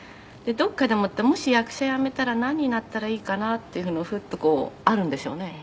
「どこかでもってもし役者やめたら何になったらいいかなっていう風のをふっとこうあるんでしょうね」